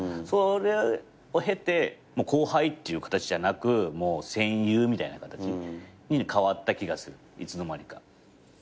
それを経て後輩っていう形じゃなく戦友みたいな形に変わった気がするいつの間にか。